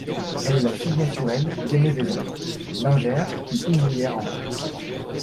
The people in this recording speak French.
Elle est la fille naturelle d'Aimée Vesin, lingère puis ouvrière en robes.